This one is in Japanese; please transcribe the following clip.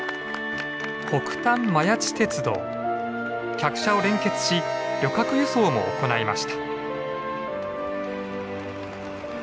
客車を連結し旅客輸送も行いました。